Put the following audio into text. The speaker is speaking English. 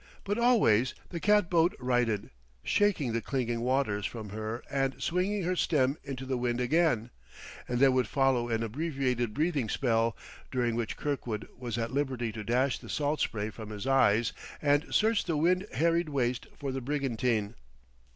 But always the cat boat righted, shaking the clinging waters from her and swinging her stem into the wind again; and there would follow an abbreviated breathing spell, during which Kirkwood was at liberty to dash the salt spray from his eyes and search the wind harried waste for the brigantine.